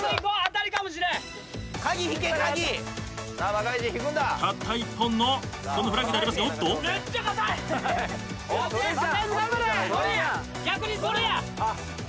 たった１本のそのフラッグでありますが。